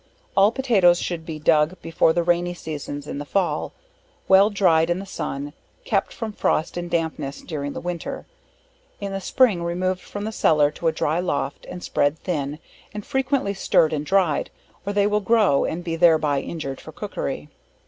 All potatoes should be dug before the rainy seasons in the fall, well dryed in the sun, kept from frost and dampness during the winter, in the spring removed from the cellar to a dry loft, and spread thin, and frequently stirred and dryed, or they will grow and be thereby injured for cookery.